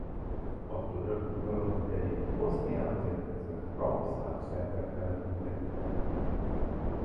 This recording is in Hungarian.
A török uralom idején Boszniából érkezett pravoszláv szerbek települtek ide.